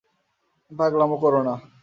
পাগলামো করো না।